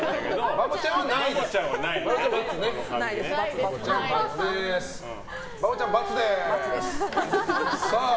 バボちゃん、×です！